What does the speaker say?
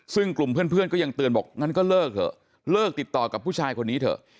ซึ่งกลุ่มเพื่อนก็ยังเตือนบอกงั้นก็เลิกเถอะเลิกติดต่อกับผู้ชายคนนี้เถอะ